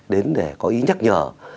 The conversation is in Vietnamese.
đến để có ý nhắc nhở